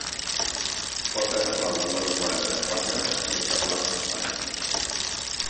Pot agafar el número quaranta-quatre, des de plaça Espanya.